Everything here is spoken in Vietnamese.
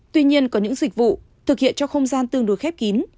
tuy nhiên có những dịch vụ thực hiện cho không gian tương đối khép kín